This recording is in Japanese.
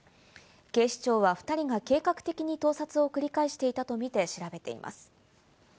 警視庁は２人が計画的に盗撮を繰り返していたとみて調べています。